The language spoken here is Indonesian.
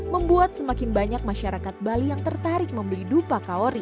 membuat semakin banyak masyarakat bali yang tertarik membeli dupa kaori